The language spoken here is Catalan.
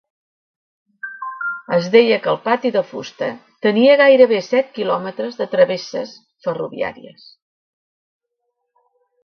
Es deia que el pati de fusta tenia gairebé set quilòmetres de travesses ferroviàries.